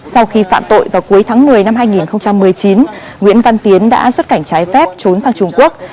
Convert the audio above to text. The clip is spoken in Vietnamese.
sau khi phạm tội vào cuối tháng một mươi năm hai nghìn một mươi chín nguyễn văn tiến đã xuất cảnh trái phép trốn sang trung quốc